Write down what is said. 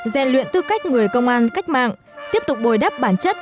gian luyện tư cách người công an cách mạng tiếp tục bồi đắp bản chất